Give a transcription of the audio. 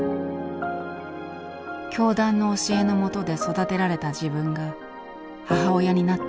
教団の教えのもとで育てられた自分が母親になった